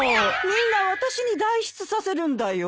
みんな私に代筆させるんだよ。